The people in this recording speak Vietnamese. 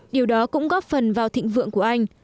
điều đó cũng góp phần vào thịnh vượng của anh